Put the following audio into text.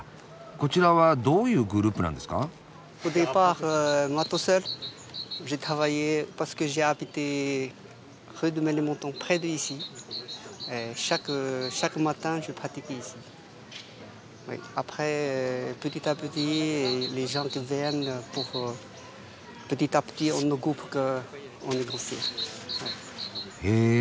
こちらはどういうグループなんですか？へ。